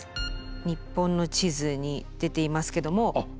日本の地図に出ていますけども。